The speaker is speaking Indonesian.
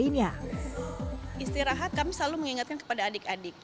istirahat kami selalu mengingatkan kepada adik adik